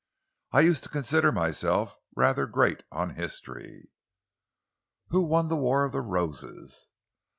"I used to consider myself rather great on history." "Who won the Wars of the Roses?"